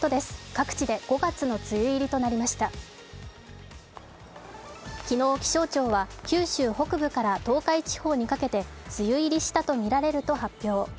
各地で５月の梅雨入りとなりました昨日、気象庁は九州北部から東海地方にかけて梅雨入りしたとみられると発表。